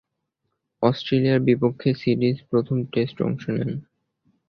অস্ট্রেলিয়ার বিপক্ষে সিরিজের প্রথম টেস্টে অংশ নেন।